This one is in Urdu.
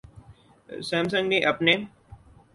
اسام سنگ نے اپنے